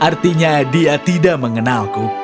artinya dia tidak mengenalku